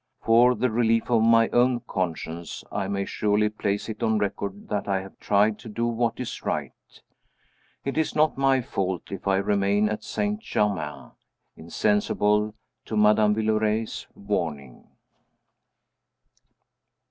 For the relief of my own conscience, I may surely place it on record that I have tried to do what is right. It is not my fault if I remain at St. Germain, insensible to Madame Villeray's warning.